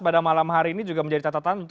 pada malam hari ini juga menjadi catatan